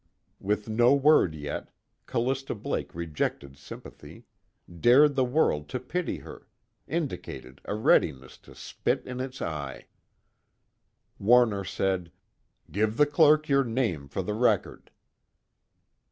With no word yet, Callista Blake rejected sympathy, dared the world to pity her, indicated a readiness to spit in its eye. Warner said: "Give the clerk your name for the record."